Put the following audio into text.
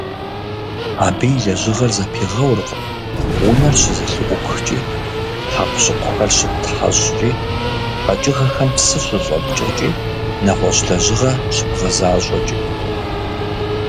Абы и лэжьыгъэр зэпигъэуркъым унэр щызэлъыӀупхкӀи, хьэкъущыкъухэр щыптхьэщӀкӀи, къэкӀыгъэхэм псы щыщӀэпкӀэкӀи, нэгъуэщӀ лэжьыгъэ щыбгъэзащӀэкӀи.